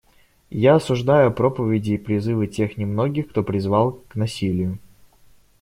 И я осуждаю проповеди и призывы тех немногих, кто призвал к насилию.